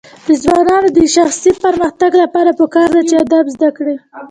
د ځوانانو د شخصي پرمختګ لپاره پکار ده چې ادب زده کړي.